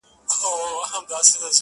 هغه چي په لفظونو کي بې هم پښه وهل,